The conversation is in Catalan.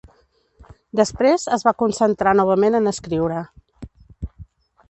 Després es va concentrar novament en escriure.